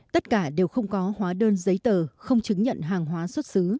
tất cả đều không có hóa đơn giấy tờ không chứng nhận hàng hóa xuất xứ